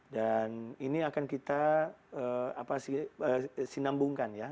dan ini akan kita sinambungkan ya